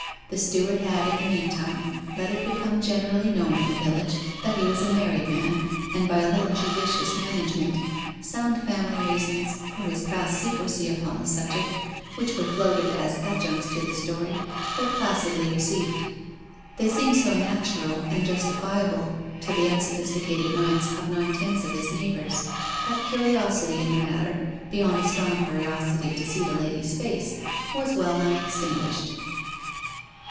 The steward had, in the meantime, let it become generally known in the village that he was a married man, and by a little judicious management, sound family reasons for his past secrecy upon the subject, which were floated as adjuncts to the story, were placidly received; they seemed so natural and justifiable to the unsophisticated minds of nine tenths of his neighbours, that curiosity in the matter, beyond a strong curiosity to see the lady's face, was well nigh extinguished.